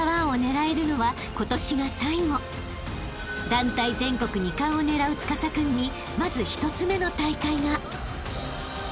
［団体全国２冠を狙う司君にまず１つ目の大会が］